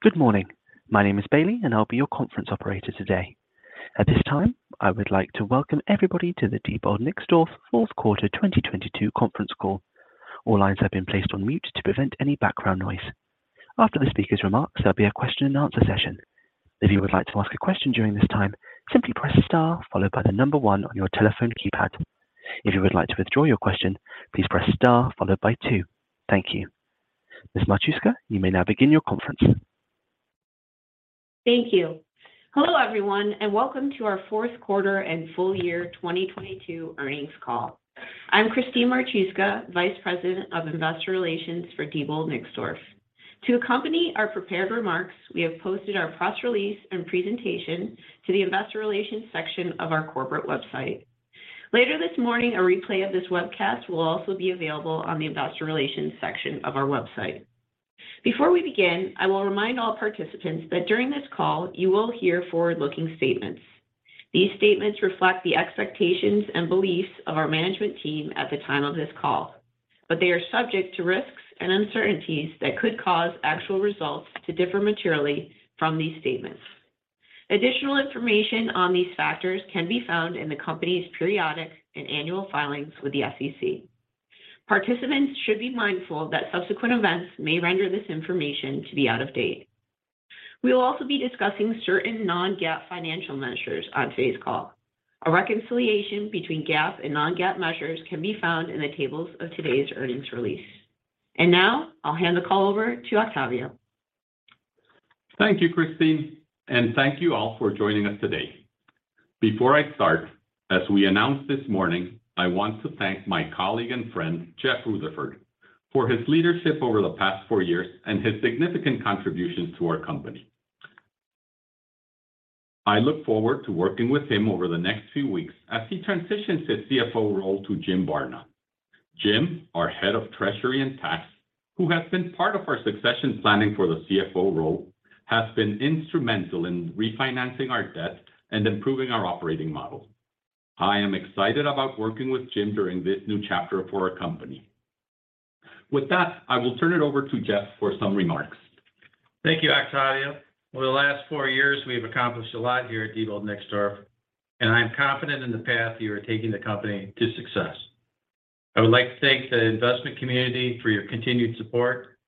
Good morning. My name is Bailey, and I'll be your conference operator today. At this time, I would like to welcome everybody to the Diebold Nixdorf Fourth Quarter 2022 Conference Call. All lines have been placed on mute to prevent any background noise. After the speaker's remarks, there'll be a question and answer session. If you would like to ask a question during this time, simply press star followed by one on your telephone keypad. If you would like to withdraw your question, please press star followed by two. Thank you. Ms. Marchuska, you may now begin your conference. Thank you. Hello, everyone, welcome to our Fourth Quarter and Full Year 2022 Earnings Call. I'm Christine Marchuska, Vice President of Investor Relations for Diebold Nixdorf. To accompany our prepared remarks, we have posted our press release and presentation to the investor relations section of our corporate website. Later this morning, a replay of this webcast will also be available on the investor relations section of our website. Before we begin, I will remind all participants that during this call, you will hear forward-looking statements. These statements reflect the expectations and beliefs of our management team at the time of this call, they are subject to risks and uncertainties that could cause actual results to differ materially from these statements. Additional information on these factors can be found in the company's periodic and annual filings with the SEC. Participants should be mindful that subsequent events may render this information to be out of date. We will also be discussing certain non-GAAP financial measures on today's call. A reconciliation between GAAP and non-GAAP measures can be found in the tables of today's earnings release. Now I'll hand the call over to Octavio. Thank you, Christine, and thank you all for joining us today. Before I start, as we announced this morning, I want to thank my colleague and friend, Jeff Rutherford, for his leadership over the past four years and his significant contributions to our company. I look forward to working with him over the next few weeks as he transitions his CFO role to Jim Barna. Jim, our Head of Treasury and Tax, who has been part of our succession planning for the CFO role, has been instrumental in refinancing our debt and improving our operating model. I am excited about working with Jim during this new chapter for our company. With that, I will turn it over to Jeff for some remarks. Thank you, Octavio. Over the last four years, we've accomplished a lot here at Diebold Nixdorf, and I am confident in the path you are taking the company to success. I would like to thank the investment community for your continued support,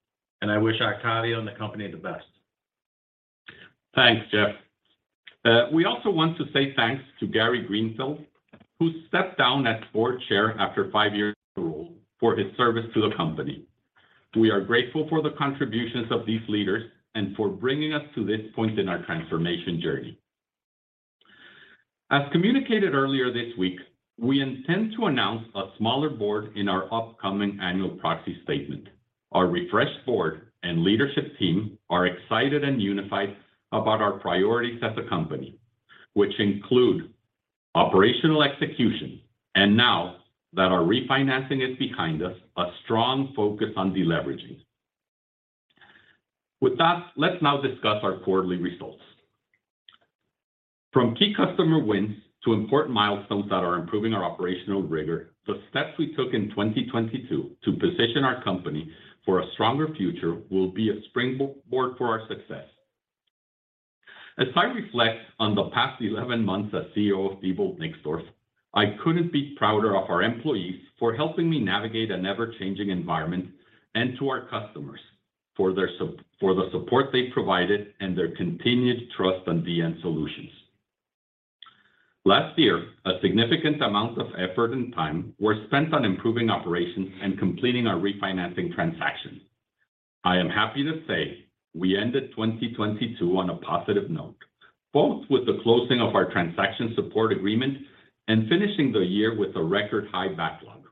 and I wish Octavio and the company the best. Thanks, Jeff. We also want to say thanks to Gary Greenfield, who stepped down as board chair after five years role for his service to the company. We are grateful for the contributions of these leaders and for bringing us to this point in our transformation journey. As communicated earlier this week, we intend to announce a smaller board in our upcoming annual proxy statement. Our refreshed board and leadership team are excited and unified about our priorities as a company, which include operational execution, and now that our refinancing is behind us, a strong focus on deleveraging. With that, let's now discuss our quarterly results. From key customer wins to important milestones that are improving our operational rigor, the steps we took in 2022 to position our company for a stronger future will be a springboard for our success. As I reflect on the past 11 months as CEO of Diebold Nixdorf, I couldn't be prouder of our employees for helping me navigate an ever-changing environment and to our customers for the support they provided and their continued trust in DN solutions. Last year, a significant amount of effort and time were spent on improving operations and completing our refinancing transaction. I am happy to say we ended 2022 on a positive note, both with the closing of our Transaction Support Agreement and finishing the year with a record high backlog.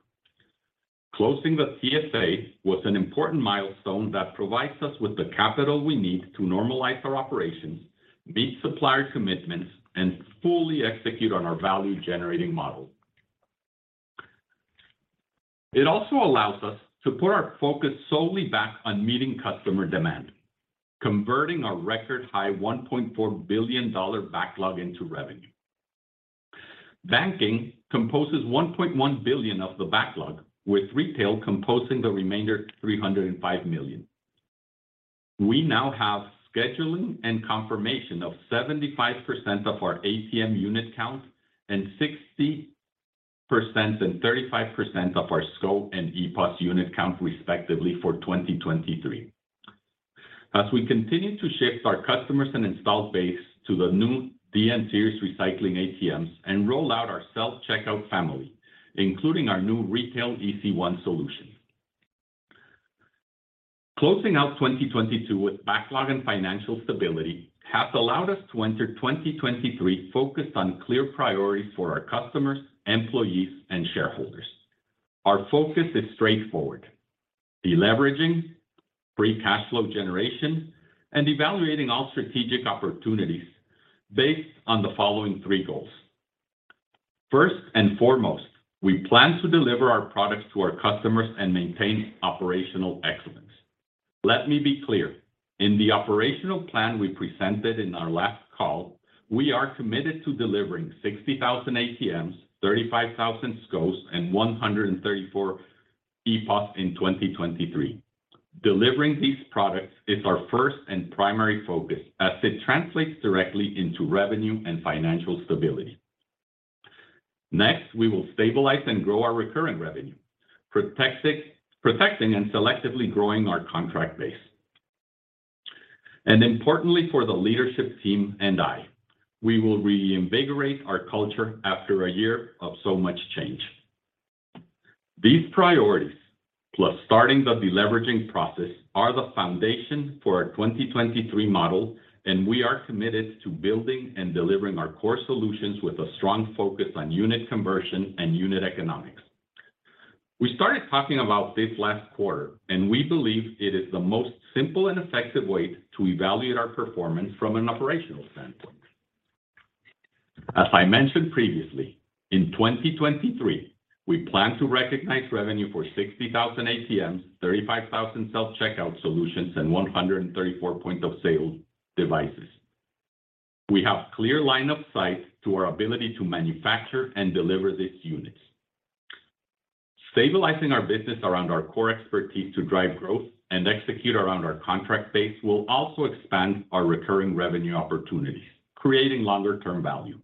Closing the TSA was an important milestone that provides us with the capital we need to normalize our operations, meet supplier commitments, and fully execute on our value-generating model. It also allows us to put our focus solely back on meeting customer demand, converting our record-high $1.4 billion backlog into revenue. Banking composes $1.1 billion of the backlog, with retail composing the remainder, $305 million. We now have scheduling and confirmation of 75% of our ATM unit count and 60% and 35% of our SCO and EPOS unit count, respectively, for 2023. As we continue to shift our customers and installed base to the new DN Series recycling ATM and roll out our self-checkout family, including our new retail EASY ONE solution. Closing out 2022 with backlog and financial stability has allowed us to enter 2023 focused on clear priorities for our customers, employees, and shareholders. Our focus is straightforward: deleveraging, free cash flow generation, and evaluating all strategic opportunities based on the following three goals. First and foremost, we plan to deliver our products to our customers and maintain operational excellence. Let me be clear. In the operational plan we presented in our last call, we are committed to delivering 60,000 ATMs, 35,000 SCOs, and 134,000 EPOS in 2023. Delivering these products is our first and primary focus as it translates directly into revenue and financial stability. Next, we will stabilize and grow our recurring revenue, protecting and selectively growing our contract base. Importantly, for the leadership team and I, we will reinvigorate our culture after a year of so much change. These priorities, plus starting the deleveraging process, are the foundation for our 2023 model. We are committed to building and delivering our core solutions with a strong focus on unit conversion and unit economics. We started talking about this last quarter. We believe it is the most simple and effective way to evaluate our performance from an operational standpoint. As I mentioned previously, in 2023, we plan to recognize revenue for 60,000 ATMs, 35,000 self-checkout solutions, and 134 point of sale devices. We have clear line of sight to our ability to manufacture and deliver these units. Stabilizing our business around our core expertise to drive growth and execute around our contract base will also expand our recurring revenue opportunities, creating longer term value.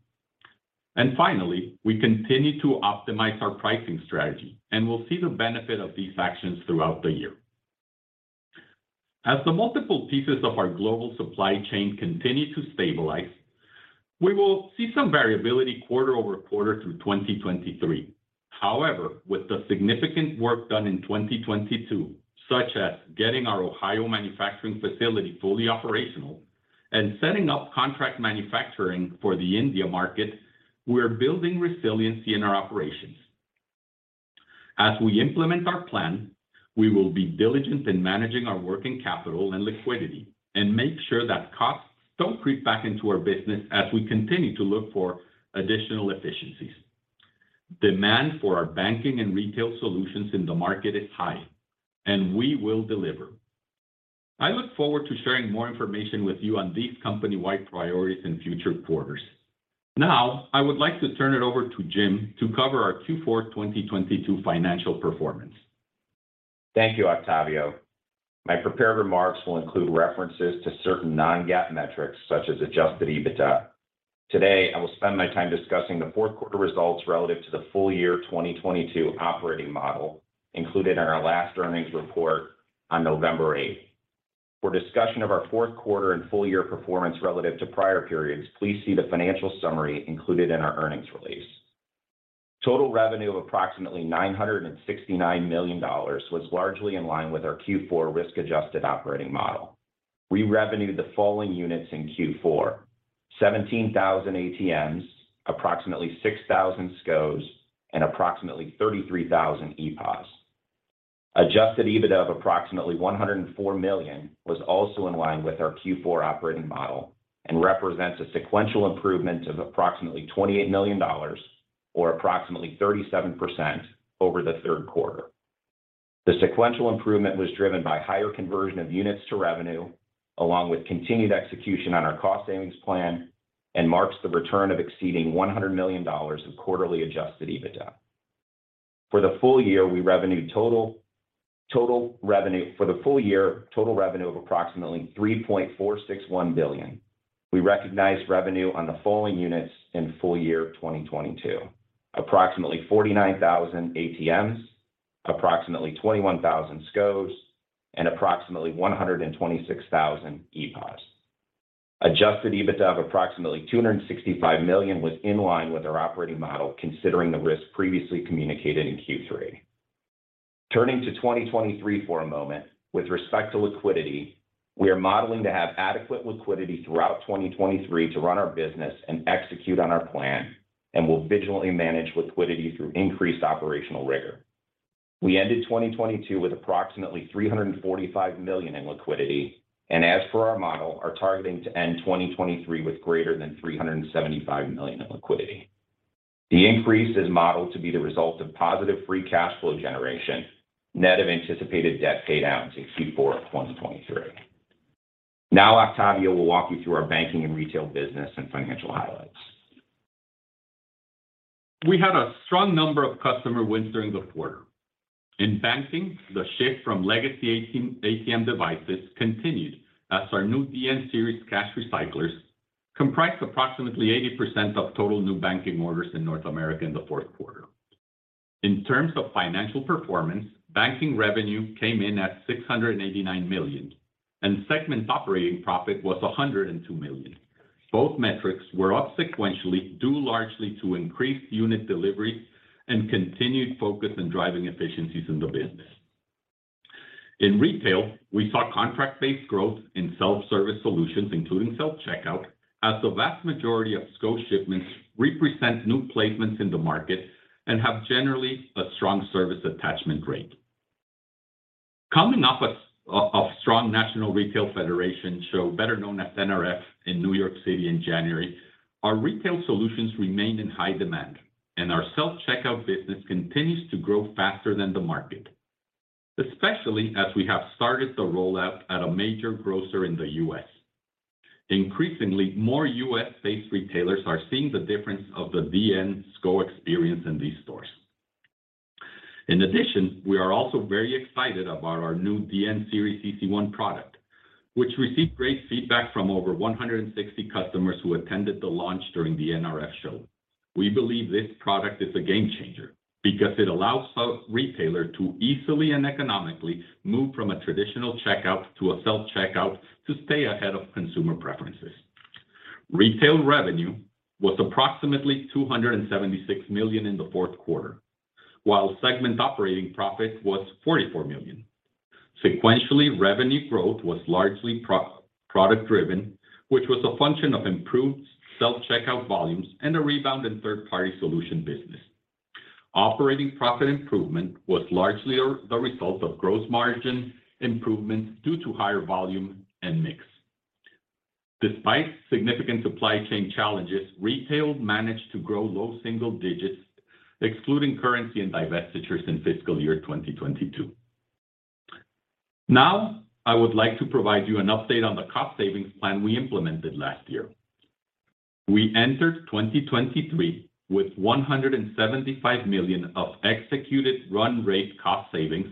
Finally, we continue to optimize our pricing strategy, and we'll see the benefit of these actions throughout the year. As the multiple pieces of our global supply chain continue to stabilize, we will see some variability quarter-over-quarter through 2023. However, with the significant work done in 2022, such as getting our Ohio manufacturing facility fully operational and setting up contract manufacturing for the India market, we're building resiliency in our operations. As we implement our plan, we will be diligent in managing our working capital and liquidity and make sure that costs don't creep back into our business as we continue to look for additional efficiencies. Demand for our banking and retail solutions in the market is high, and we will deliver. I look forward to sharing more information with you on these company-wide priorities in future quarters. I would like to turn it over to Jim to cover our Q4 2022 financial performance. Thank you, Octavio. My prepared remarks will include references to certain non-GAAP metrics, such as adjusted EBITDA. Today, I will spend my time discussing the fourth quarter results relative to the full year 2022 operating model included in our last earnings report on November 8. For discussion of our fourth quarter and full year performance relative to prior periods, please see the financial summary included in our earnings release. Total revenue of approximately $969 million was largely in line with our Q4 risk-adjusted operating model. We revenued the following units in Q4: 17,000 ATMs, approximately 6,000 SCOs, and approximately 33,000 EPOS. Adjusted EBITDA of approximately $104 million was also in line with our Q4 operating model and represents a sequential improvement of approximately $28 million, or approximately 37% over the third quarter. The sequential improvement was driven by higher conversion of units to revenue, along with continued execution on our cost savings plan, marks the return of exceeding $100 million of quarterly adjusted EBITDA. For the full year, total revenue of approximately $3.461 billion. We recognized revenue on the following units in full year 2022: approximately 49,000 ATMs, approximately 21,000 SCOs, and approximately 126,000 EPOS. Adjusted EBITDA of approximately $265 million was in line with our operating model considering the risk previously communicated in Q3. Turning to 2023 for a moment, with respect to liquidity, we are modeling to have adequate liquidity throughout 2023 to run our business and execute on our plan, we'll visually manage liquidity through increased operational rigor. We ended 2022 with approximately $345 million in liquidity, and as for our model, are targeting to end 2023 with greater than $375 million in liquidity. The increase is modeled to be the result of positive free cash flow generation, net of anticipated debt pay downs in Q4 of 2023. Now, Octavio will walk you through our banking and retail business and financial highlights. We had a strong number of customer wins during the quarter. In banking, the shift from legacy ATM devices continued as our new DN Series cash recyclers comprised approximately 80% of total new banking orders in North America in the fourth quarter. In terms of financial performance, banking revenue came in at $689 million, and segment operating profit was $102 million. Both metrics were up sequentially, due largely to increased unit delivery and continued focus in driving efficiencies in the business. In retail, we saw contract-based growth in self-service solutions, including self-checkout, as the vast majority of SCO shipments represent new placements in the market and have generally a strong service attachment rate. Coming off a strong National Retail Federation show, better known as NRF, in New York City in January, our retail solutions remain in high demand. Our self-checkout business continues to grow faster than the market, especially as we have started the rollout at a major grocer in the U.S. Increasingly, more U.S.-based retailers are seeing the difference of the DN SCO experience in these stores. We are also very excited about our new DN Series EASY ONE product, which received great feedback from over 160 customers who attended the launch during the NRF show. We believe this product is a game changer because it allows a retailer to easily and economically move from a traditional checkout to a self-checkout to stay ahead of consumer preferences. Retail revenue was approximately $276 million in the fourth quarter, while segment operating profit was $44 million. Sequentially, revenue growth was largely pro-product driven, which was a function of improved self-checkout volumes and a rebound in third-party solution business. Operating profit improvement was largely the result of gross margin improvements due to higher volume and mix. Despite significant supply chain challenges, retail managed to grow low single digits, excluding currency and divestitures in fiscal year 2022. I would like to provide you an update on the cost savings plan we implemented last year. We entered 2023 with $175 million of executed run rate cost savings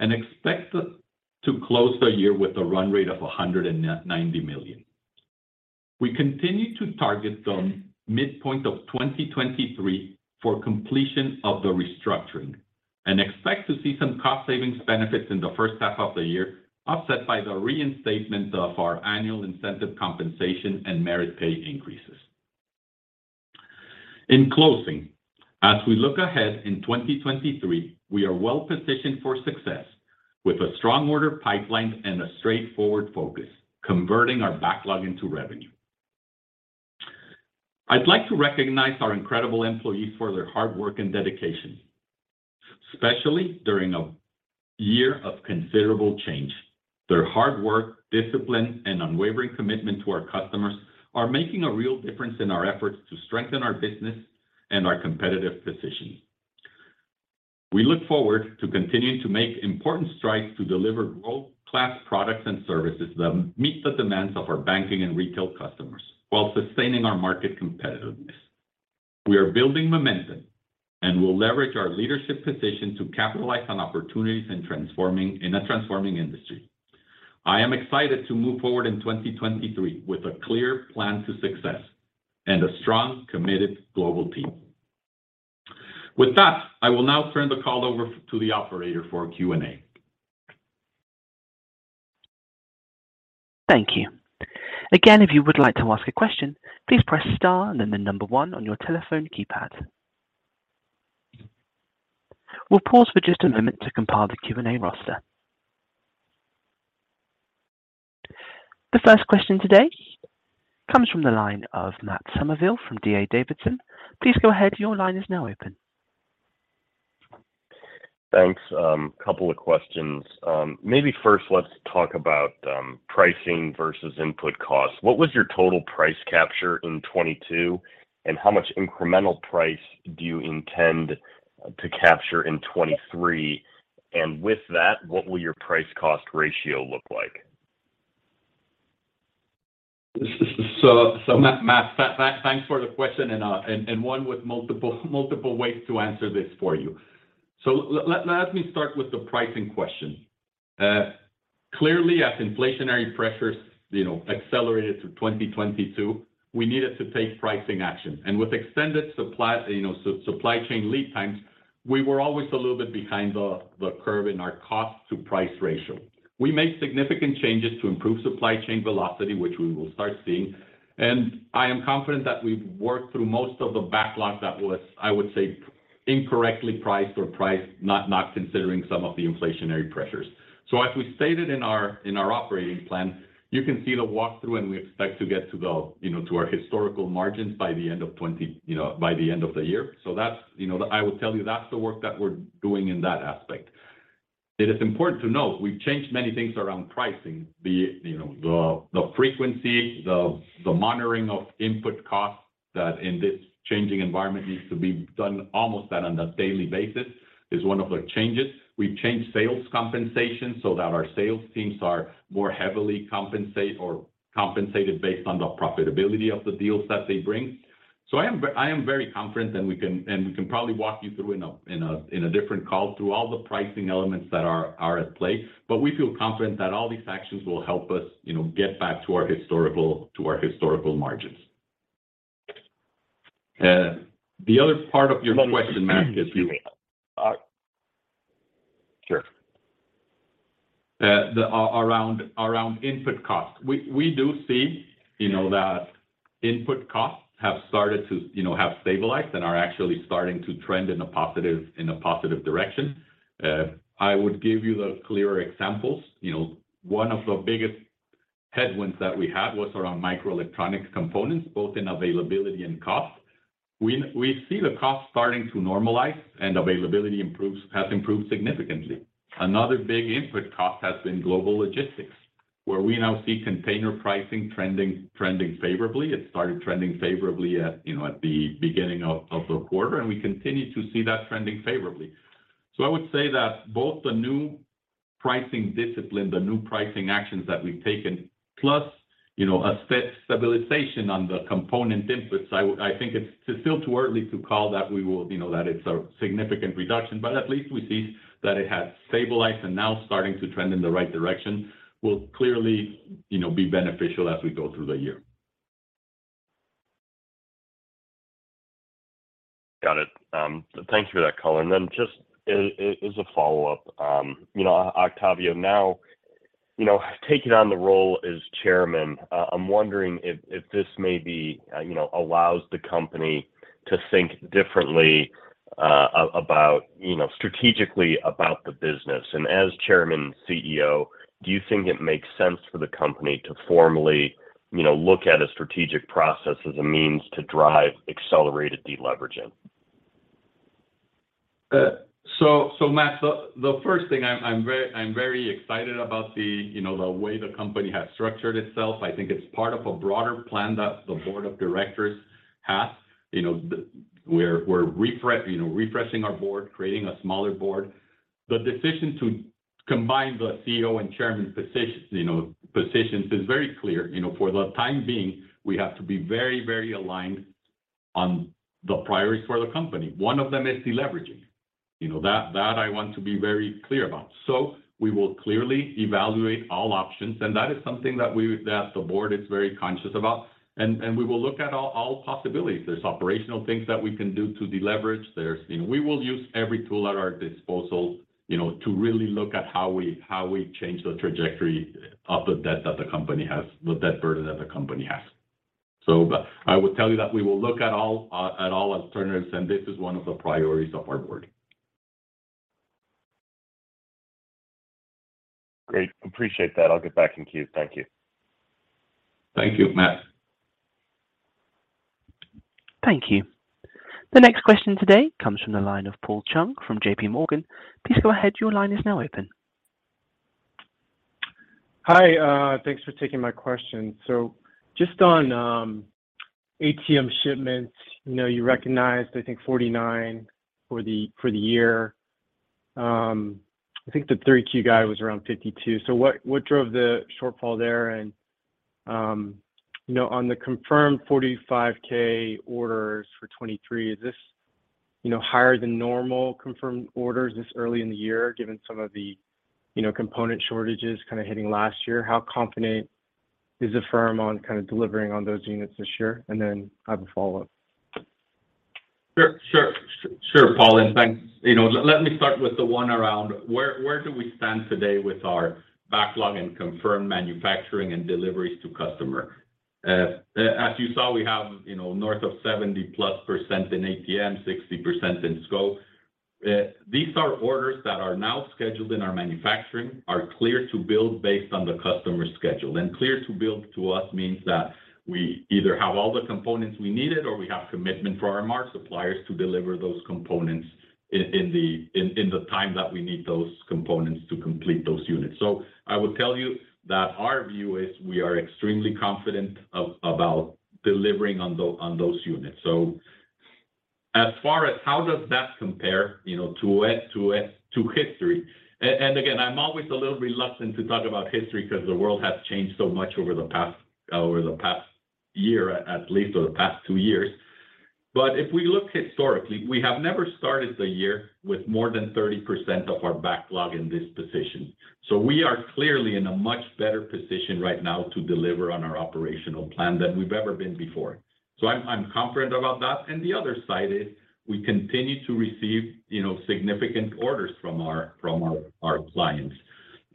and expect to close the year with a run rate of $190 million. We continue to target some midpoint of 2023 for completion of the restructuring and expect to see some cost savings benefits in the first half of the year, offset by the reinstatement of our annual incentive compensation and merit pay increases. In closing, as we look ahead in 2023, we are well positioned for success with a strong order pipeline and a straightforward focus, converting our backlog into revenue. I'd like to recognize our incredible employees for their hard work and dedication, especially during a year of considerable change. Their hard work, discipline, and unwavering commitment to our customers are making a real difference in our efforts to strengthen our business and our competitive position. We look forward to continuing to make important strides to deliver world-class products and services that meet the demands of our banking and retail customers while sustaining our market competitiveness. We are building momentum. We'll leverage our leadership position to capitalize on opportunities in a transforming industry. I am excited to move forward in 2023 with a clear plan to success and a strong, committed global team. With that, I will now turn the call over to the operator for Q&A. Thank you. If you would like to ask a question, please press star and then one on your telephone keypad. We'll pause for just a moment to compile the Q&A roster. The first question today comes from the line of Matt Summerville from D.A. Davidson. Please go ahead, your line is now open. Thanks. couple of questions. maybe first let's talk about pricing versus input costs. What was your total price capture in 2022, and how much incremental price do you intend to capture in 2023? With that, what will your price cost ratio look like? Matt, thanks for the question, and one with multiple ways to answer this for you. Let me start with the pricing question. Clearly, as inflationary pressures, you know, accelerated through 2022, we needed to take pricing action. With extended supply, you know, supply chain lead times, we were always a little bit behind the curve in our cost to price ratio. We made significant changes to improve supply chain velocity, which we will start seeing, and I am confident that we've worked through most of the backlog that was, I would say, incorrectly priced or priced, not considering some of the inflationary pressures. As we stated in our operating plan, you can see the walkthrough, and we expect to get to our historical margins by the end of 2022, you know, by the end of the year. That's, you know, I would tell you that's the work that we're doing in that aspect. It is important to note we've changed many things around pricing. The frequency, the monitoring of input costs that in this changing environment needs to be done almost on a daily basis is one of the changes. We've changed sales compensation so that our sales teams are more heavily compensated based on the profitability of the deals that they bring. I am very confident, we can probably walk you through in a different call through all the pricing elements that are at play. We feel confident that all these actions will help us, you know, get back to our historical margins. The other part of your question, Matt, is- Sure. around input costs. We do see, you know, that input costs have started to, you know, have stabilized and are actually starting to trend in a positive direction. I would give you the clear examples. You know, one of the biggest headwinds that we had was around microelectronics components, both in availability and cost. We see the cost starting to normalize and availability has improved significantly. Another big input cost has been global logistics, where we now see container pricing trending favorably. It started trending favorably at, you know, at the beginning of the quarter, we continue to see that trending favorably. I would say that both the new pricing discipline, the new pricing actions that we've taken, plus, you know, a stabilization on the component inputs. I think it's still too early to call that we will, you know, that it's a significant reduction, but at least we see that it has stabilized and now starting to trend in the right direction, will clearly, you know, be beneficial as we go through the year. Got it. Thank you for that color. Just as a follow-up, you know, Octavio now, you know, taking on the role as Chairman, I'm wondering if this may be, you know, allows the company to think differently, about, you know, strategically about the business. As Chairman CEO, do you think it makes sense for the company to formally, you know, look at a strategic process as a means to drive accelerated deleveraging? Matt, the first thing I'm very excited about the, you know, the way the company has structured itself. I think it's part of a broader plan that the board of directors has. You know, we're refresh, you know, refreshing our board, creating a smaller board. The decision to combine the CEO and chairman positions, you know, is very clear. You know, for the time being, we have to be very, very aligned on the priorities for the company. One of them is deleveraging. You know, that I want to be very clear about. We will clearly evaluate all options, and that is something that we, that the board is very conscious about. We will look at all possibilities. There's operational things that we can do to deleverage. There's, you know, we will use every tool at our disposal, you know, to really look at how we, how we change the trajectory of the debt that the company has, the debt burden that the company has. I will tell you that we will look at all, at all alternatives, and this is one of the priorities of our board. Great. Appreciate that. I'll get back in queue. Thank you. Thank you, Matt. Thank you. The next question today comes from the line of Paul Chung from JPMorgan. Please go ahead. Your line is now open. Hi. Thanks for taking my question. Just on ATM shipments, you know, you recognized, I think 49,000 for the, for the year. I think the 3Q guy was around 52. What drove the shortfall there? You know, on the confirmed 45,000 orders for 2023, is this, you know, higher than normal confirmed orders this early in the year, given some of the, you know, component shortages kind of hitting last year? How confident is the firm on kind of delivering on those units this year? Then I have a follow-up. Sure, Paul, and thanks. You know, let me start with the one around where do we stand today with our backlog and confirmed manufacturing and deliveries to customer. As you saw, we have, you know, north of 70%+ in ATM, 60% in SCO. These are orders that are now scheduled in our manufacturing, are clear to build based on the customer schedule. Clear to build to us means that we either have all the components we needed or we have commitment from our mark suppliers to deliver those components in the time that we need those components to complete those units. I will tell you that our view is we are extremely confident about delivering on those units. As far as how does that compare to history, and again, I'm always a little reluctant to talk about history because the world has changed so much over the past year at least, or the past two years. If we look historically, we have never started the year with more than 30% of our backlog in this position. We are clearly in a much better position right now to deliver on our operational plan than we've ever been before. I'm confident about that. The other side is we continue to receive significant orders from our clients.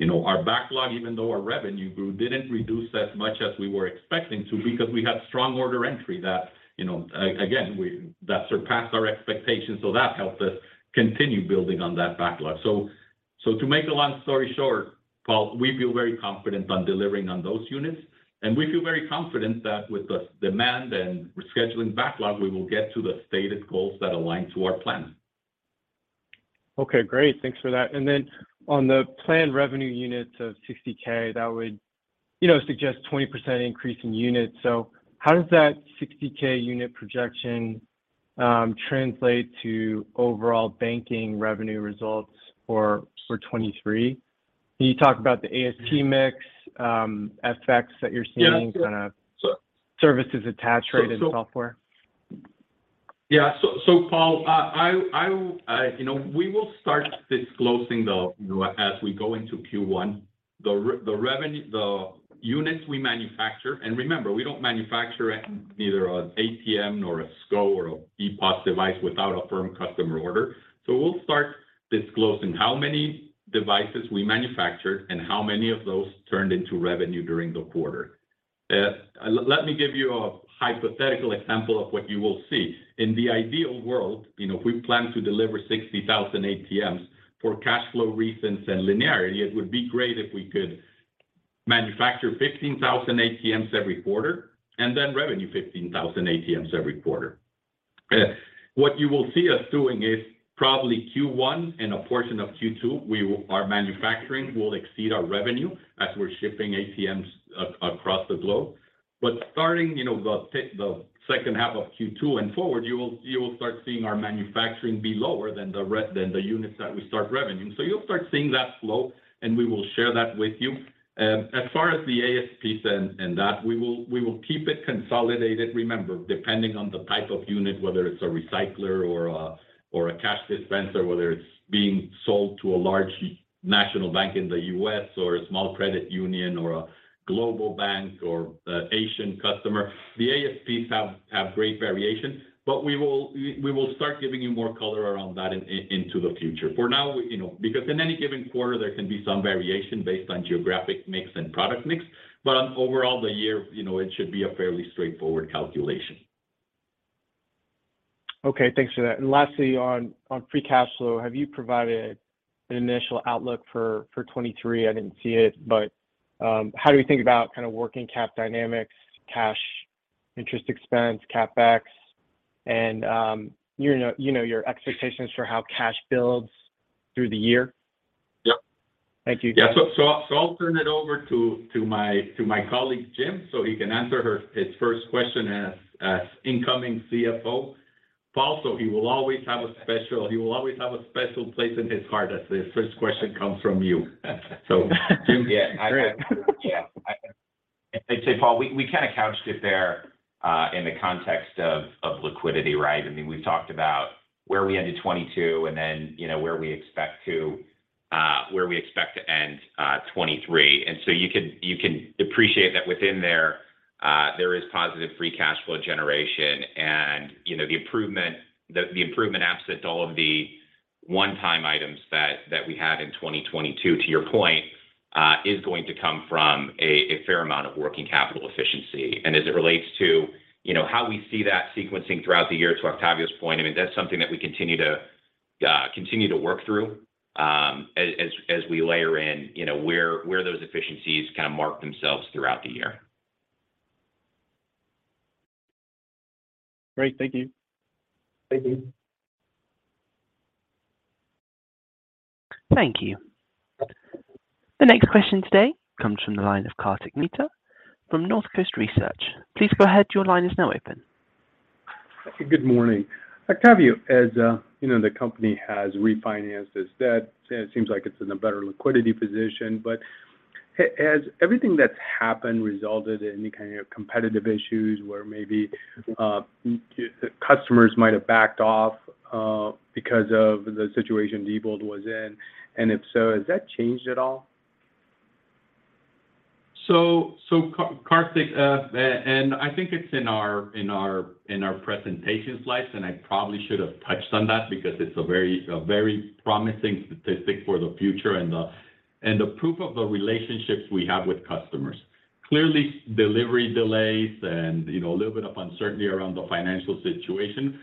Our backlog, even though our revenue grew, didn't reduce as much as we were expecting to because we had strong order entry that again, that surpassed our expectations. That helped us continue building on that backlog. To make a long story short, Paul, we feel very confident on delivering on those units, and we feel very confident that with the demand and rescheduling backlog, we will get to the stated goals that align to our plan. Okay, great. Thanks for that. On the planned revenue units of 60,000, that would, you know, suggest 20% increase in units. How does that 60,000 unit projection translate to overall banking revenue results for 2023? Can you talk about the ASP mix, FX that you're seeing, kind of services attached rate and software? Yeah. Paul, you know, we will start disclosing the, you know, as we go into Q1, the revenue, the units we manufacture. Remember, we don't manufacture neither an ATM nor a SCO or an EPOS device without a firm customer order. We'll start disclosing how many devices we manufactured and how many of those turned into revenue during the quarter. Let me give you a hypothetical example of what you will see. In the ideal world, you know, if we plan to deliver 60,000 ATMs for cash flow reasons and linearity, it would be great if we could manufacture 15,000 ATMs every quarter, and then revenue 15,000 ATMs every quarter. What you will see us doing is probably Q1 and a portion of Q2, our manufacturing will exceed our revenue as we're shipping ATMs across the globe. Starting, you know, the second half of Q2 and forward, you will start seeing our manufacturing be lower than the units that we start revenue. You'll start seeing that slope, and we will share that with you. As far as the ASPs and that, we will keep it consolidated. Remember, depending on the type of unit, whether it's a recycler or a cash dispenser, whether it's being sold to a large national bank in the U.S. or a small credit union or a global bank or an Asian customer, the ASPs have great variation. We will start giving you more color around that into the future. For now, you know, because in any given quarter, there can be some variation based on geographic mix and product mix. On overall the year, you know, it should be a fairly straightforward calculation. Okay. Thanks for that. Lastly, on free cash flow, have you provided an initial outlook for 2023? I didn't see it, but, how do we think about kind of working cap dynamics, cash interest expense, CapEx, and, you know your expectations for how cash builds through the year? Yep. Thank you. Yeah. I'll turn it over to my colleague, Jim, so he can answer his first question as incoming CFO. Paul, so he will always have a special place in his heart as the first question comes from you. Jim, yeah. Great. I'd say, Paul, we kind of couched it there, in the context of liquidity, right? I mean, we've talked about where we ended 2022 and then, you know, where we expect to end 2023. You can appreciate that within there is positive free cash flow generation and, you know, the improvement absent to all of the one-time items that we had in 2022, to your point, is going to come from a fair amount of working capital efficiency. As it relates to, you know, how we see that sequencing throughout the year, to Octavio's point, I mean, that's something that we continue to work through, as we layer in, you know, where those efficiencies kind of mark themselves throughout the year. Great. Thank you. Thank you. Thank you. The next question today comes from the line of Kartik Mehta from Northcoast Research. Please go ahead. Your line is now open. Good morning. Octavio, as, you know, the company has refinanced its debt, and it seems like it's in a better liquidity position, but has everything that's happened resulted in any kind of competitive issues where maybe, customers might have backed off, because of the situation Diebold was in? If so, has that changed at all? Kartik, and I think it's in our presentation slides, and I probably should have touched on that because it's a very promising statistic for the future and the proof of the relationships we have with customers. Clearly, delivery delays and, you know, a little bit of uncertainty around the financial situation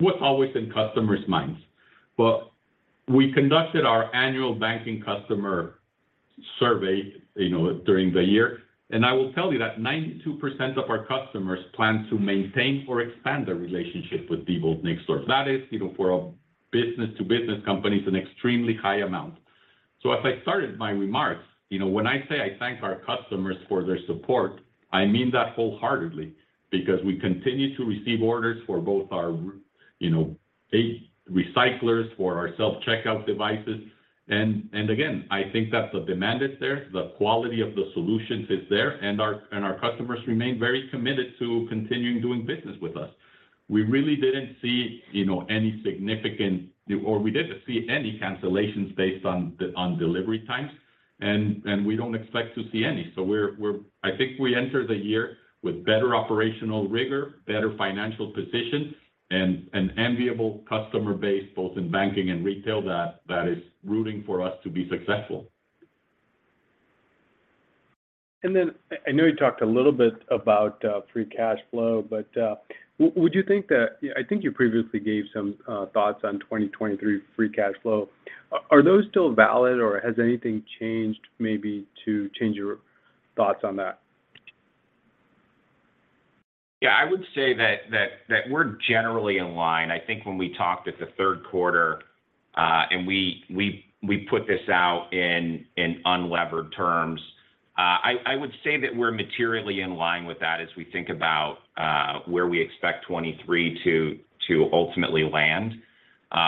was always in customers' minds. We conducted our annual banking customer survey, you know, during the year, and I will tell you that 92% of our customers plan to maintain or expand their relationship with Diebold Nixdorf. That is, you know, for a business-to-business company, it's an extremely high amount. As I started my remarks, you know, when I say I thank our customers for their support, I mean that wholeheartedly because we continue to receive orders for both our, you know, DN recyclers, for our self-checkout devices. Again, I think that the demand is there, the quality of the solutions is there, and our customers remain very committed to continuing doing business with us. We really didn't see, you know, any significant, or we didn't see any cancellations based on delivery times, and we don't expect to see any. I think we enter the year with better operational rigor, better financial position, and an enviable customer base, both in banking and retail that is rooting for us to be successful. I know you talked a little bit about free cash flow, but I think you previously gave some thoughts on 2023 free cash flow. Are those still valid, or has anything changed maybe to change your thoughts on that? I would say that we're generally in line. I think when we talked at the third quarter, we put this out in unlevered terms, I would say that we're materially in line with that as we think about where we expect 2023 to ultimately land,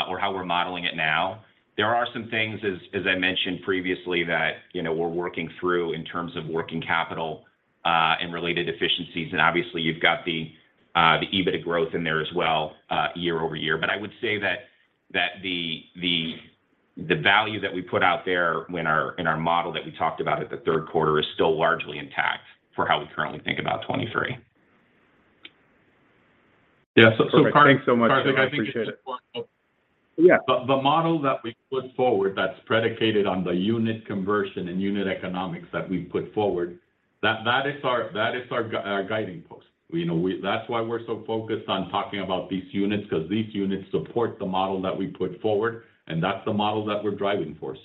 or how we're modeling it now. There are some things, as I mentioned previously, you know, we're working through in terms of working capital, and related efficiencies, obviously you've got the EBITDA growth in there as well year-over-year. I would say that the value that we put out there in our model that we talked about at the third quarter is still largely intact for how we currently think about 2023. Yeah. Kartik- Thanks so much. I appreciate it. Kartik, I think it's important. Yeah. The model that we put forward that's predicated on the unit conversion and unit economics that we put forward, that is our guiding post. You know, That's why we're so focused on talking about these units, because these units support the model that we put forward, and that's the model that we're driving for.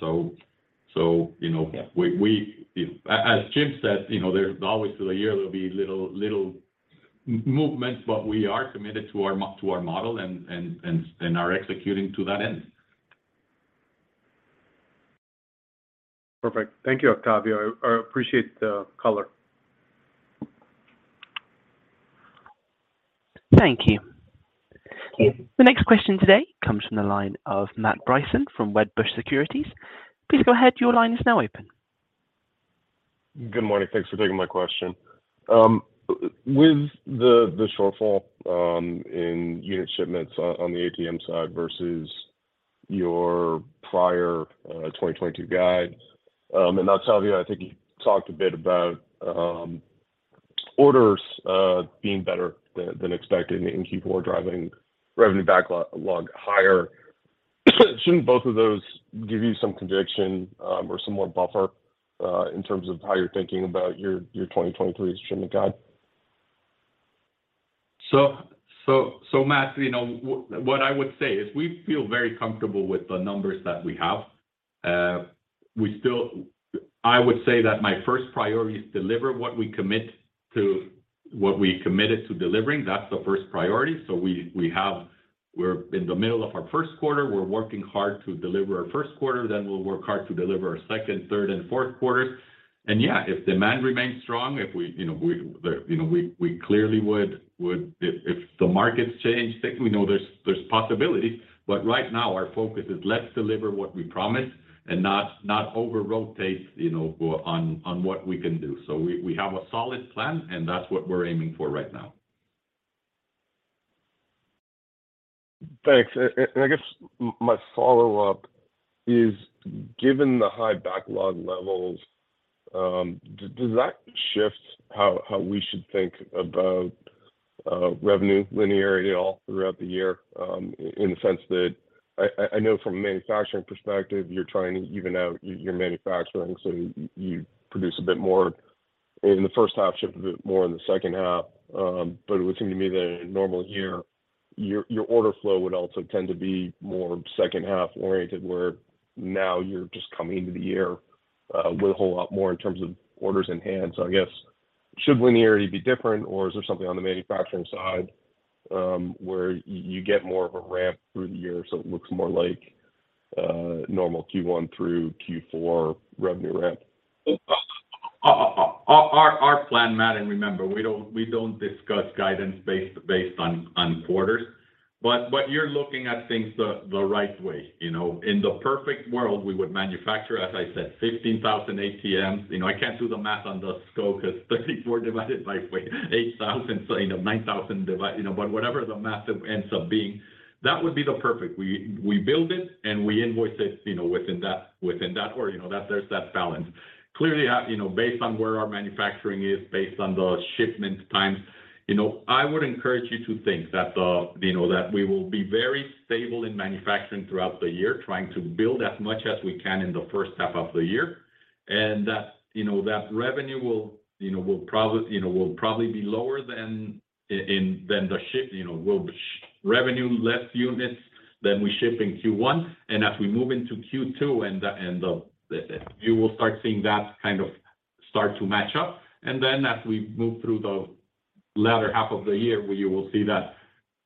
You know, we, as Jim said, you know, there's always through the year there'll be little movements, but we are committed to our model and are executing to that end. Perfect. Thank you, Octavio. I appreciate the color. Thank you. The next question today comes from the line of Matt Bryson from Wedbush Securities. Please go ahead. Your line is now open. Good morning. Thanks for taking my question. With the shortfall in unit shipments on the ATM side versus your prior 2022 guide, and Octavio, I think you talked a bit about orders being better than expected and keep on driving revenue backlog higher. Shouldn't both of those give you some conviction or some more buffer in terms of how you're thinking about your 2023 shipment guide? Matt, you know, what I would say is we feel very comfortable with the numbers that we have. I would say that my first priority is deliver what we commit to, what we committed to delivering. That's the first priority. We have. We're in the middle of our first quarter. We're working hard to deliver our first quarter, then we'll work hard to deliver our second, third, and fourth quarters. Yeah, if demand remains strong, if we, you know, we, the, you know, we clearly would. If the markets change, we know there's possibilities, but right now our focus is let's deliver what we promised and not over rotate, you know, on what we can do. We have a solid plan, and that's what we're aiming for right now. Thanks. I guess my follow-up is, given the high backlog levels, does that shift how we should think about revenue linearity all throughout the year? In the sense that I know from a manufacturing perspective, you're trying to even out your manufacturing, so you produce a bit more in the first half, ship a bit more in the second half. It would seem to me that in a normal year, your order flow would also tend to be more second half oriented, where now you're just coming into the year with a whole lot more in terms of orders enhanced. I guess should linearity be different, or is there something on the manufacturing side, where you get more of a ramp through the year, so it looks more like a normal Q1 through Q4 revenue ramp? Our plan, Matt, and remember, we don't discuss guidance based on quarters, but you're looking at things the right way. You know, in the perfect world, we would manufacture, as I said, 15,000 ATMs. You know, I can't do the math on the SCO 'cause 34 divided by 8,000, so, you know, 9,000. You know, whatever the math ends up being, that would be the perfect. We build it, and we invoice it, you know, within that or, you know, that there's that balance. Clearly, how, you know, based on where our manufacturing is, based on the shipment times, you know, I would encourage you to think that the, you know, that we will be very stable in manufacturing throughout the year, trying to build as much as we can in the first half of the year. That, you know, that revenue will, you know, will probably, you know, will probably be lower than the ship, you know, revenue less units than we ship in Q1. As we move into Q2 and the, you will start seeing that kind of start to match up. As we move through the latter half of the year, you will see that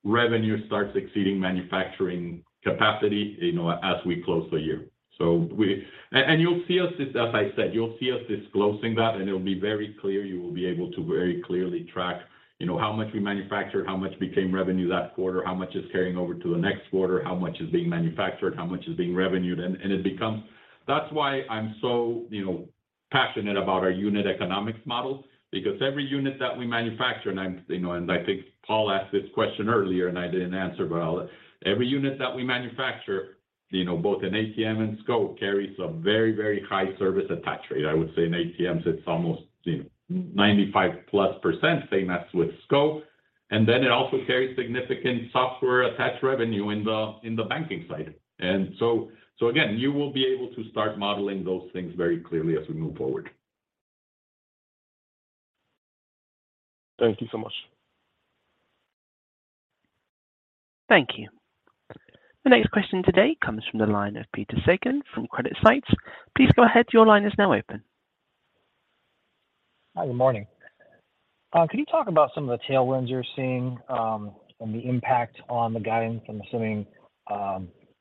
revenue starts exceeding manufacturing capacity, you know, as we close the year. You'll see us, as I said, you'll see us disclosing that, and it'll be very clear. You will be able to very clearly track, you know, how much we manufacture, how much became revenue that quarter, how much is carrying over to the next quarter, how much is being manufactured, how much is being revenued. And it becomes, that's why I'm so, you know, passionate about our unit economics model because every unit that we manufacture, and I'm, you know, and I think Paul asked this question earlier, and I didn't answer, but I'll, every unit that we manufacture, you know, both in ATM and SCO carries a very, very high service attach rate. I would say in ATMs, it's almost, you know, 95%+, same as with SCO. Then it also carries significant software attach revenue in the, in the banking side. Again, you will be able to start modeling those things very clearly as we move forward. Thank you so much. Thank you. The next question today comes from the line of Peter Sakon from CreditSights. Please go ahead. Your line is now open. Hi, good morning. Can you talk about some of the tailwinds you're seeing, and the impact on the guidance? I'm assuming,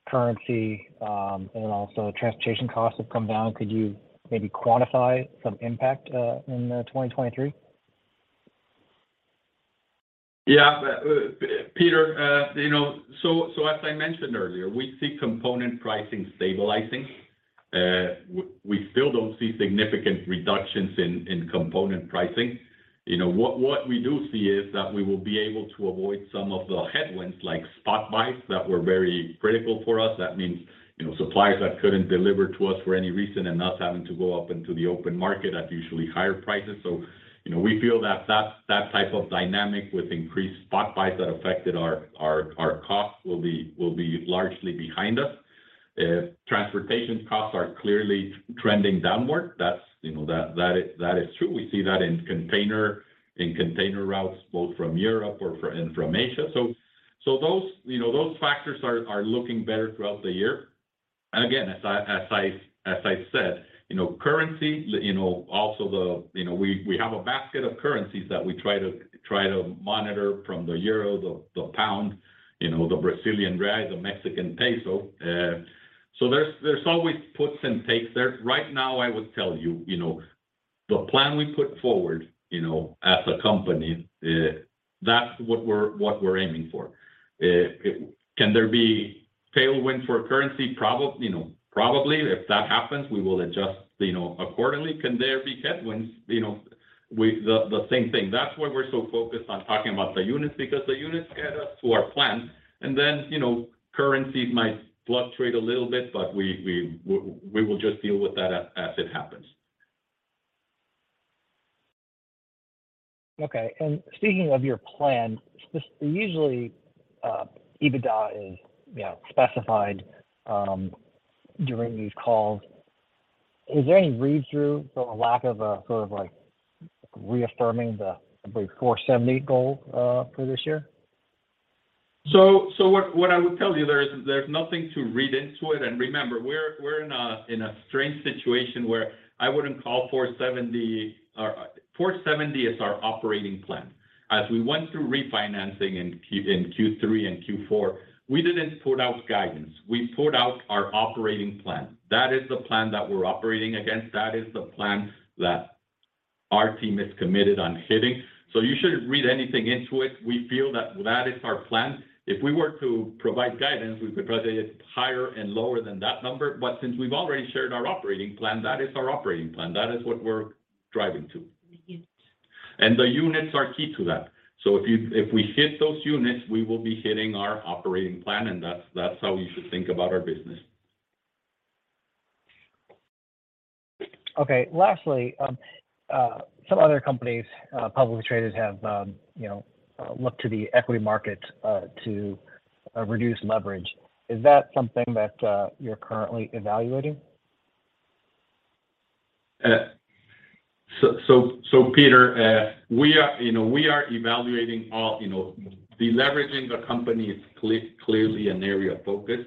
currency, and also transportation costs have come down. Could you maybe quantify some impact in 2023? Yeah. Peter, you know, so as I mentioned earlier, we see component pricing stabilizing. We still don't see significant reductions in component pricing. You know, what we do see is that we will be able to avoid some of the headwinds like spot buys that were very critical for us. That means, you know, suppliers that couldn't deliver to us for any reason and us having to go up into the open market at usually higher prices. You know, we feel that that type of dynamic with increased spot buys that affected our costs will be largely behind us. Transportation costs are clearly trending downward. That's, you know, that is true. We see that in container routes both from Europe and from Asia. Those, you know, those factors are looking better throughout the year. Again, as I said, you know, currency, you know, also the, you know, we have a basket of currencies that we try to monitor from the euro, the pound, you know, the Brazilian reais, the Mexican peso. There's always puts and takes there. Right now, I would tell you know. The plan we put forward, you know, as a company, that's what we're aiming for. Can there be tailwind for currency? Probably. You know, probably. If that happens, we will adjust, you know, accordingly. Can there be headwinds? You know, the same thing. That's why we're so focused on talking about the units because the units get us to our plan. You know, currency might fluctuate a little bit, but we will just deal with that as it happens. Okay. Speaking of your plan, usually EBITDA is, you know, specified during these calls. Is there any read-through from a lack of a sort of like reaffirming the, I believe, $470 million goal for this year? What I would tell you, there's nothing to read into it. Remember, we're in a strange situation where I wouldn't call $470 million. $470 million is our operating plan. As we went through refinancing in Q3 and Q4, we didn't put out guidance. We put out our operating plan. That is the plan that we're operating against. That is the plan that our team is committed on hitting. You shouldn't read anything into it. We feel that that is our plan. If we were to provide guidance, we could present it higher and lower than that number. Since we've already shared our operating plan, that is our operating plan. That is what we're driving to. And the units are key to that. If we hit those units, we will be hitting our operating plan, that's how you should think about our business. Okay. Lastly, some other companies, publicly traded, have, you know, looked to the equity market, to reduce leverage. Is that something that, you're currently evaluating? Peter, we are, you know, we are evaluating all, you know, de-leveraging the company is clearly an area of focus.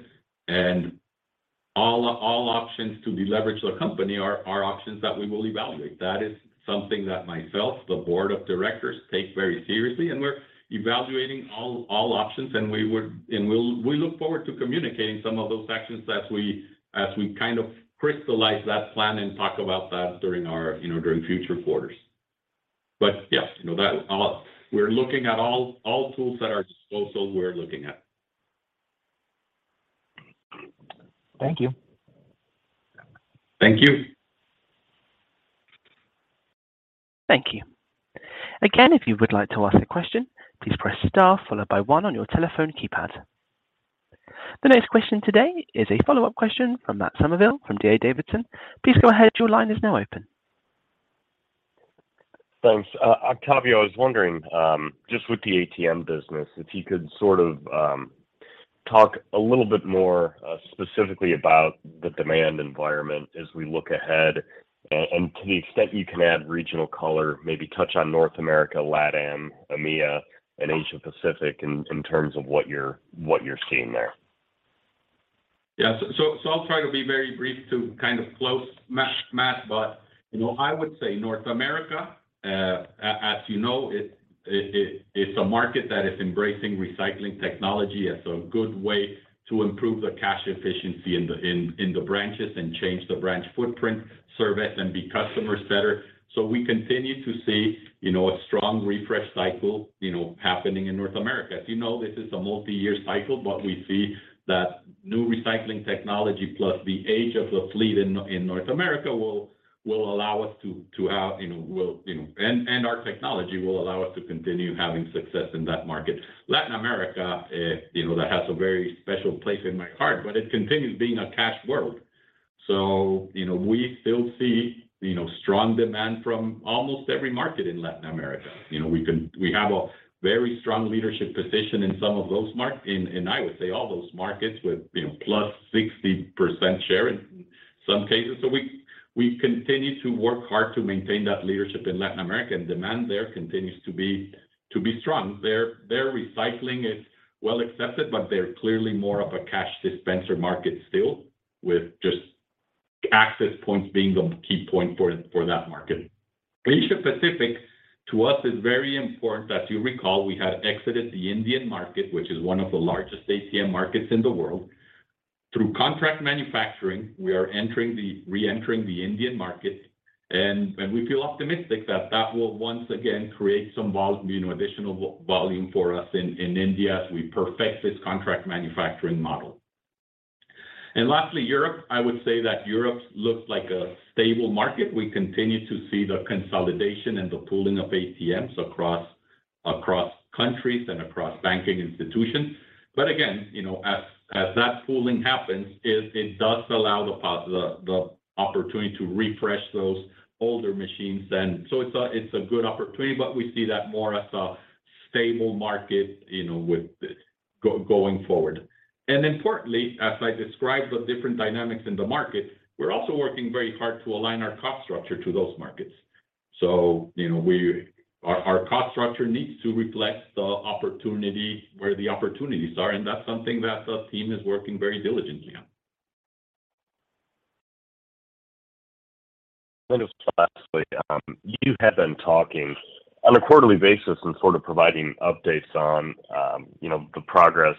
All options to de-leverage the company are options that we will evaluate. That is something that myself, the board of directors take very seriously, and we're evaluating all options. We look forward to communicating some of those actions as we, as we kind of crystallize that plan and talk about that during our, you know, during future quarters. Yes, you know, that all. We're looking at all tools at our disposal. Thank you. Thank you. Thank you. Again, if you would like to ask a question, please press star followed by one on your telephone keypad. The next question today is a follow-up question from Matt Summerville from D.A. Davidson. Please go ahead. Your line is now open. Thanks. Octavio, I was wondering, just with the ATM business, if you could sort of, talk a little bit more, specifically about the demand environment as we look ahead. To the extent you can add regional color, maybe touch on North America, LATAM, EMEA, and Asia-Pacific in terms of what you're seeing there. I'll try to be very brief to kind of close Matt, but, you know, I would say North America, as you know, it's a market that is embracing recycling technology as a good way to improve the cash efficiency in the branches and change the branch footprint, service, and be customer-centric. We continue to see, you know, a strong refresh cycle, you know, happening in North America. As you know, this is a multi-year cycle, but we see that new recycling technology plus the age of the fleet in North America will allow us to have, you know, our technology will allow us to continue having success in that market. Latin America, you know, that has a very special place in my heart, but it continues being a cash world. You know, we still see, you know, strong demand from almost every market in Latin America. You know, we have a very strong leadership position in some of those markets, and I would say all those markets with, you know, 60%+ share in some cases. We continue to work hard to maintain that leadership in Latin America, and demand there continues to be strong. Their recycling is well accepted, but they're clearly more of a cash dispenser market still, with just access points being the key point for that market. Asia-Pacific, to us, is very important. As you recall, we had exited the Indian market, which is one of the largest ATM markets in the world. Through contract manufacturing, we are reentering the Indian market, and we feel optimistic that that will once again create some volume, you know, additional volume for us in India as we perfect this contract manufacturing model. Lastly, Europe. I would say that Europe looks like a stable market. We continue to see the consolidation and the pooling of ATMs across countries and across banking institutions. Again, you know, as that pooling happens, it does allow the opportunity to refresh those older machines. It's a good opportunity, but we see that more as a stable market, you know, going forward. Importantly, as I described the different dynamics in the market, we're also working very hard to align our cost structure to those markets. You know, our cost structure needs to reflect the opportunity where the opportunities are, and that's something that the team is working very diligently on. Just lastly, you have been talking on a quarterly basis and sort of providing updates on, you know, the progress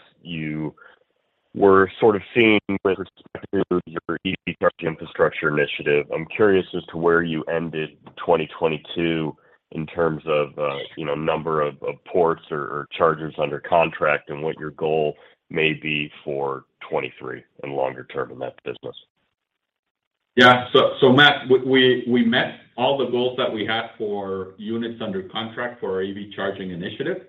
you're sort of seeing with respect to your EV charging infrastructure initiative. I'm curious as to where you ended 2022 in terms of, you know, number of ports or chargers under contract and what your goal may be for 2023 and longer term in that business? Yeah. Matt, we met all the goals that we had for units under contract for our EV charging initiative.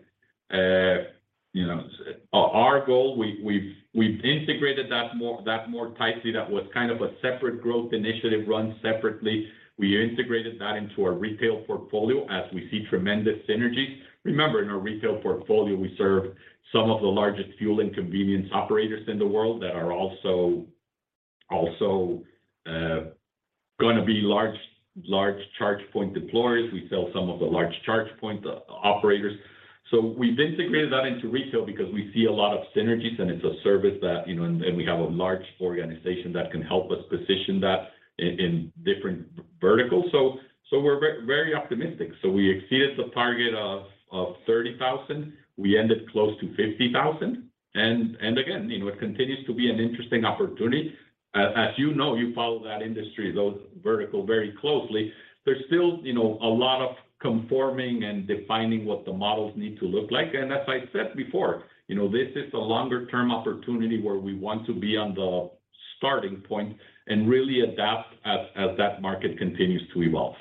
You know, our goal, we've integrated that more tightly. That was kind of a separate growth initiative run separately. We integrated that into our retail portfolio as we see tremendous synergy. Remember, in our retail portfolio, we serve some of the largest fuel and convenience operators in the world that are also gonna be large charge point deployers. We sell some of the large charge point operators. We've integrated that into retail because we see a lot of synergies, and it's a service that, you know. We have a large organization that can help us position that in different verticals. We're very optimistic. We exceeded the target of 30,000. We ended close to 50,000. Again, you know, it continues to be an interesting opportunity. As you know, you follow that industry, those vertical very closely. There's still, you know, a lot of conforming and defining what the models need to look like. As I said before, you know, this is a longer term opportunity where we want to be on the starting point and really adapt as that market continues to evolve.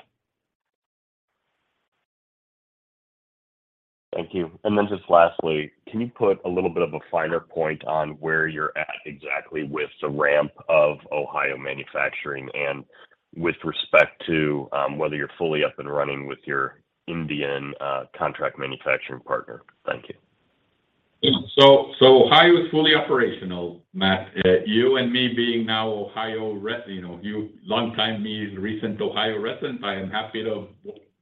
Thank you. Just lastly, can you put a little bit of a finer point on where you're at exactly with the ramp of Ohio manufacturing and with respect to whether you're fully up and running with your Indian contract manufacturing partner? Thank you. Ohio is fully operational, Matt. You and me being now Ohio resident, you know, you longtime, me recent Ohio resident, I am happy to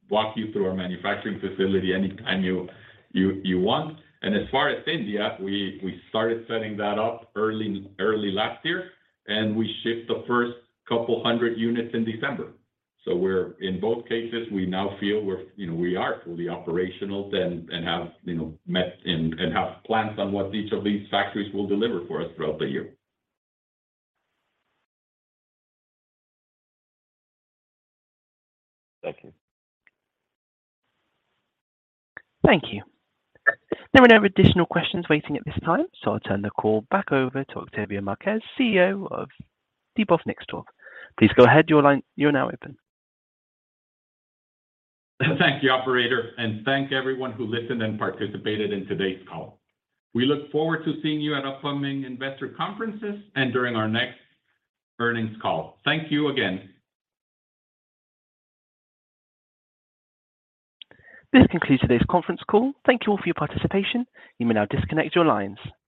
walk you through our manufacturing facility anytime you want. As far as India, we started setting that up early last year, and we shipped the first couple hundred units in December. In both cases, we now feel we're, you know, we are fully operational then and have, you know, met and have plans on what each of these factories will deliver for us throughout the year. Thank you. Thank you. There are no additional questions waiting at this time, so I'll turn the call back over to Octavio Marquez, CEO of Diebold Nixdorf. Please go ahead. You're now open. Thank you, operator. Thank everyone who listened and participated in today's call. We look forward to seeing you at upcoming investor conferences and during our next earnings call. Thank you again. This concludes today's conference call. Thank you all for your participation. You may now disconnect your lines.